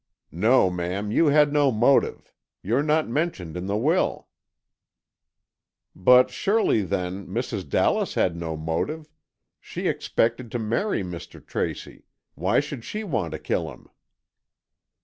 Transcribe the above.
"No, ma'am, you had no motive. You're not mentioned in the will." "But surely then, Mrs. Dallas had no motive. She expected to marry Mr. Tracy—why should she want to kill him?"